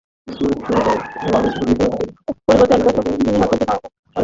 পরবর্তী এক দশক তিনি আর্জেন্টিনা ও কলম্বিয়ার বিভিন্ন ক্লাবে খেলেন।